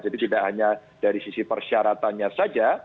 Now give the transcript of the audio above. jadi tidak hanya dari sisi persyaratannya saja